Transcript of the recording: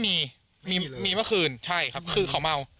มีมีเมื่อคืนใช่ครับคือเขาเมา